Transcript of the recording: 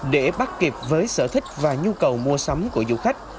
để bắt kịp với sở thích và nhu cầu mua sắm của du khách